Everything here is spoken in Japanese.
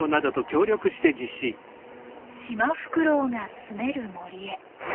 シマフクロウが住める森へ。